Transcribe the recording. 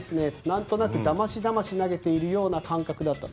何となくだましだまし投げている感覚だった。